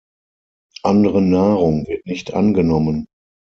Andere Nahrung wird nicht angenommen.